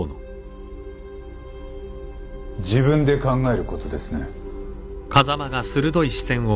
自分で考えることですね。